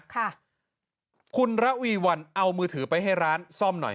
ค่ะคุณระวีวันเอามือถือไปให้ร้านซ่อมหน่อย